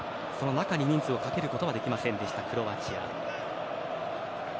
中に人数をかけることができませんでした、クロアチア。